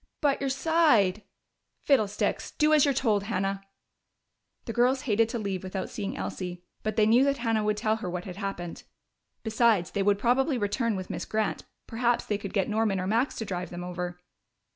"But your side " "Fiddlesticks! Do as you're told, Hannah." The girls hated to leave without seeing Elsie, but they knew that Hannah would tell her what had happened. Besides, they would probably return with Miss Grant; perhaps they could get Norman or Max to drive them over.